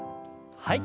はい。